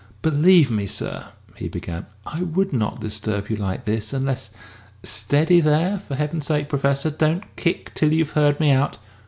"Believe me, sir," he began, "I would not disturb you like this unless steady there, for Heaven's sake Professor, don't kick till you've heard me out!"